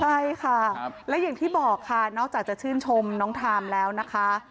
ใช่ค่ะและอย่างที่บอกค่ะนอกจากจะชื่นชมน้องทามแล้วนะคะ